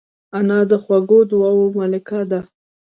انا د خوږو دعاوو ملکه ده